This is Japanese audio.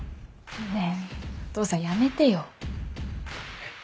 ねぇお父さんやめてよ。えっ？